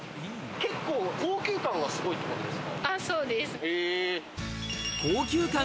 結構、高級感がすごいってことですか？